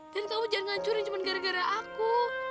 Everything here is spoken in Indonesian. dan kamu jangan ngancurin cuma gara gara aku